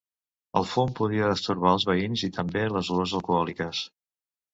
El fum podia destorbar els veïns i també les olors alcohòliques.